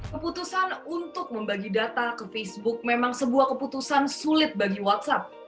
keputusan untuk membagi data ke facebook memang sebuah keputusan sulit bagi whatsapp